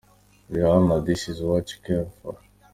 Rihanna -- “This Is What You Came For”.